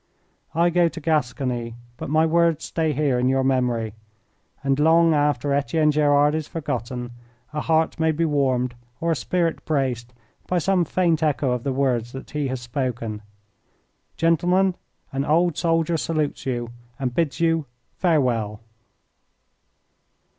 I go to Gascony, but my words stay here in your memory, and long after Etienne Gerard is forgotten a heart may be warmed or a spirit braced by some faint echo of the words that he has spoken. Gentlemen, an old soldier salutes you and bids you farewell.